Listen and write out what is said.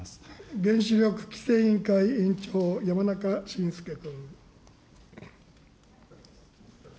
原子力規制委員会委員長、山中伸介君。